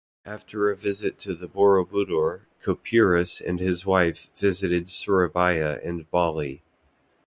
After a visit to the Borobudur Couperus and his wife visited Surabaya and Bali.